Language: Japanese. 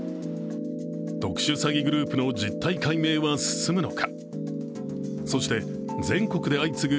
特殊詐欺グループの実態解明は進むのか。